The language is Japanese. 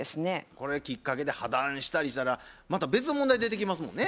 これきっかけで破談したりしたらまた別の問題出てきますもんね。